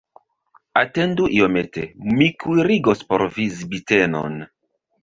Atendu iomete, mi kuirigos por vi zbitenon!